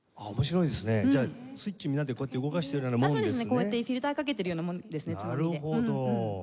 こうやってフィルターかけてるようなものですねつまみで。